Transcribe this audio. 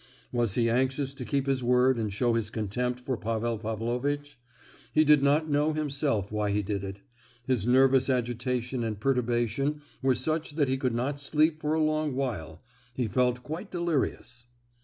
Was he anxious to keep his word and show his contempt for Pavel Pavlovitch? He did not know himself why he did it; his nervous agitation and perturbation were such that he could not sleep for a long while, he felt quite delirious.